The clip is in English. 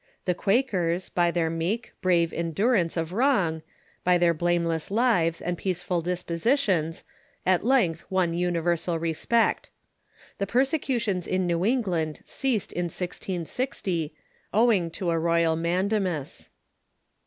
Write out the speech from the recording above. The Quakers, by their meek, brave endurance of wrong, by their blameless lives and peaceful dispositions, at length won universal respect. The persecutions in New England ceased in 1660, owing to a royal mandamus.